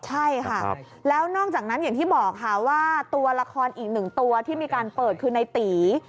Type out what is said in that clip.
ใช่ค่ะแล้วนอกจากนั้นอย่างที่บอกค่ะว่าตัวละครอีกหนึ่งตัวที่มีการเปิดคือในตี